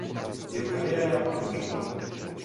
Jeho kariéra pokračovala.